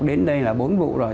đến đây là bốn vụ rồi